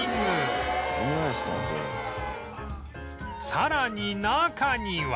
さらに中には